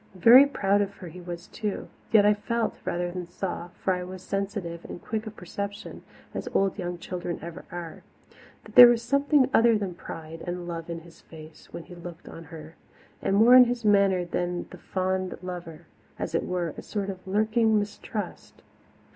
Very proud of her was he too; yet I felt, rather than saw for I was sensitive and quick of perception, as old young children ever are that there was something other than pride and love in his face when he looked on her, and more in his manner than the fond lover as it were, a sort of lurking mistrust.